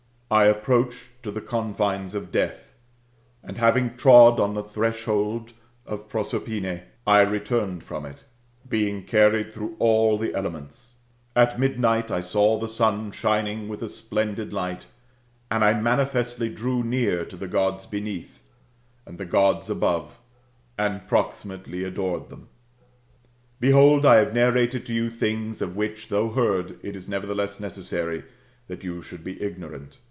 / approached to the confines of deaths and having trod on the threshold of Prosperine, I returned from it^ being carried through all the elefnents. At midnight I saw the sun shining with a splendid light ; and I manifestly drew near to the Gods beneath^ aoS THX MSTAMORPHOSIS, OR ami tki Gods abcve^ and proximaUly adored them.^ Behold, I have narrated to you things, of which, though heard, it is nerertheless necessary that you should be ignorant.